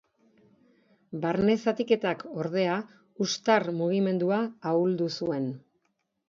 Barne zatiketak, ordea, hustar mugimendua ahuldu zuen.